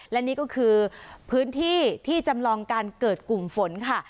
และนี่ก็คือพื้นที่ที่จำลองการเกิดกลุ่มฝนค่ะ